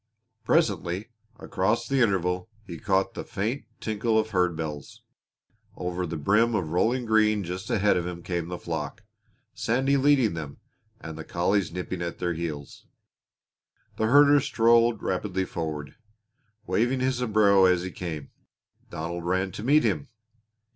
Presently across the intervale he caught the faint tinkle of herd bells. Over the brim of rolling green just ahead of him came the flock, Sandy leading them, and the collies nipping at their heels. The herder strode rapidly forward, waving his sombrero as he came. Donald ran to meet him.